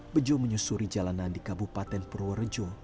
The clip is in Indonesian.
bejo menyusuri jalanan di kabupaten purworejo